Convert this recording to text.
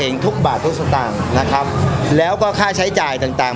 ทุกบาททุกสตางค์นะครับแล้วก็ค่าใช้จ่ายต่างต่าง